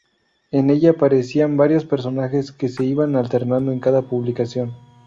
En ella aparecían varios personajes, que se iban alternando en cada publicación.